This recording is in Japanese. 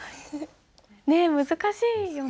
難しいよね。